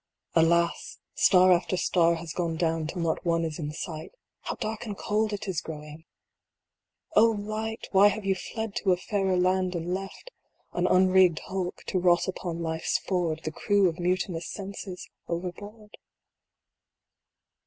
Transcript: Alas ! star after star has gone down till not one is in sight How dark and cold it is growing ! Oh, light ! why have you fled to a fairer land and left " An unrigged hulk, to rot upon life s ford The crew of mutinous senses overboard?"